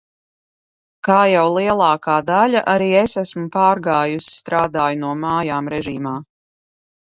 Kā jau lielākā daļa, arī es esmu pārgājusi "strādāju no mājām" režīmā.